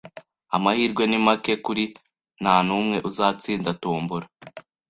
Amahirwe ni make kuri ntanumwe uzatsinda tombola